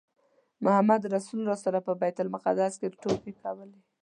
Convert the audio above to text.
محمدرسول راسره په بیت المقدس کې ټوکې کولې.